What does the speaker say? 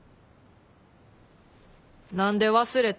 何で忘れた？